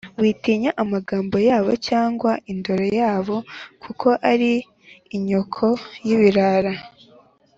Witinya amagambo yabo cyangwa indoro yabo, kuko ari inyoko y’ibirara